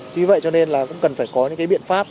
chỉ vậy cho nên cũng cần phải có những biện pháp